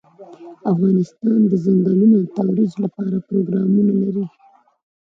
افغانستان د ځنګلونه د ترویج لپاره پروګرامونه لري.